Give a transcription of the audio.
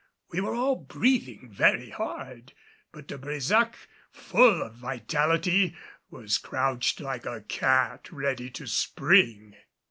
We were all breathing very hard, but De Brésac, full of vitality, was crouched like a cat ready to spring.